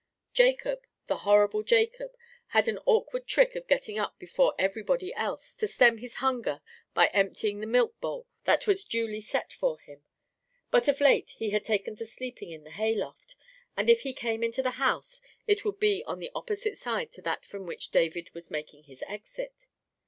Jacob, the horrible Jacob, had an awkward trick of getting up before everybody else, to stem his hunger by emptying the milk bowl that was "duly set" for him; but of late he had taken to sleeping in the hay loft, and if he came into the house, it would be on the opposite side to that from which David was making his exit.